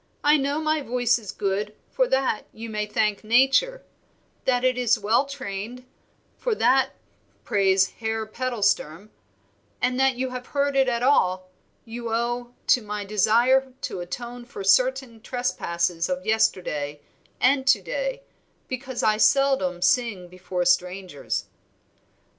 I know my voice is good, for that you may thank nature; that it is well trained, for that praise Herr Pedalsturm; and that you have heard it at all, you owe to my desire to atone for certain trespasses of yesterday and to day, because I seldom sing before strangers."